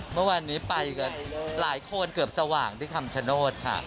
เมื่อวานนี้ไปกันหลายคนเกือบสว่างที่คำชโนธค่ะ